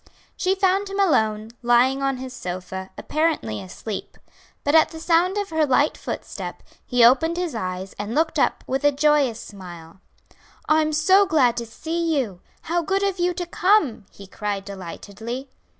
She found him alone, lying on his sofa, apparently asleep; but at the sound of her light footstep he opened his eyes and looked up with a joyous smile. "I'm so glad to see you! how good of you to come!" he cried delightedly.